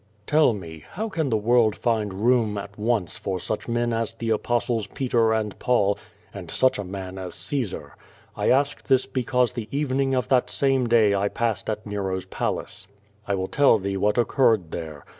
Tell me, how can the world find room at once for such men as the Apostles Peter and Paul, and such a man as Caesar? I ask this because the evening of that same day I passed at Nero's palace. I will tell thee what occurred there.